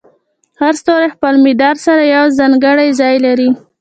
هر ستوری د خپل مدار سره یو ځانګړی ځای لري.